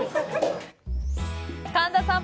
神田さん